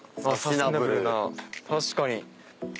確かに。